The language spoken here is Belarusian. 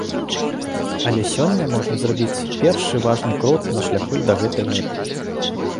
Але сёння можна зрабіць першы важны крок на шляху да гэтай мэты.